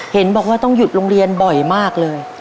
เห็นบอกว่าต้องหยุดโรงเรียนบ่อยมากเลย